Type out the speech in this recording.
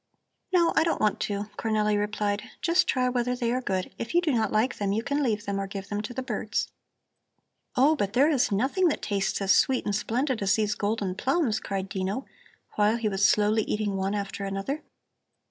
"No, I don't want to," Cornelli replied. "Just try whether they are good. If you do not like them, you can leave them or give them to the birds." "Oh, but there is nothing that tastes as sweet and splendid as these golden plums!" cried Dino, while he was slowly eating one after another.